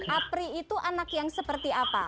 apri itu anak yang seperti apa